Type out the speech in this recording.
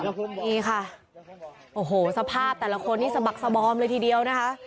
นี่ค่ะโอ้โหสภาพแต่ละคนนี้สะบักสบอมเลยทีเดียวนะคะ